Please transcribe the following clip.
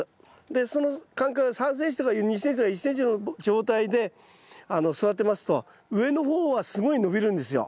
でその間隔が３ｃｍとか２ｃｍとか１ｃｍの状態で育てますと上の方はすごい伸びるんですよ。